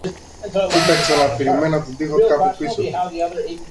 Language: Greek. κοίταξαν αφηρημένα τον τοίχο κάπου πίσω του